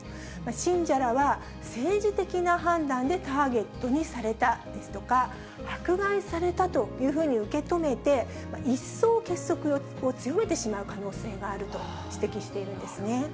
信者らは、政治的な判断でターゲットにされたですとか、迫害されたというふうに受け止めて、一層結束を強めてしまう可能性があると指摘しているんですね。